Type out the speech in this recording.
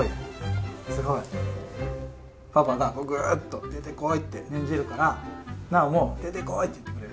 すごい？パパがぐっと出てこいって念じるから尚も「出てこい」って言ってくれる？